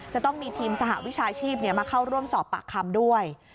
จะต้องมีทีมสหวิชาชีพมาเข้าร่วมสอบปากคำด้วย